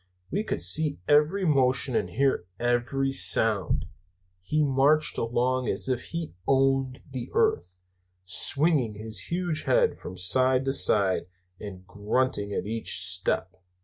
We could see every motion and hear every sound. He marched along as if he owned the earth, swinging his huge head from side to side and grunting at each step.